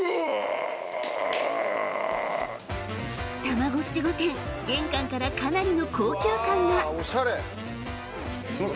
［たまごっち御殿玄関からかなりの高級感が］すいません。